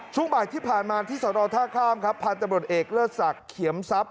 ช่วงบ่ายที่ผ่านมาที่สนท่าข้ามครับพันธบรวจเอกเลิศศักดิ์เขียมทรัพย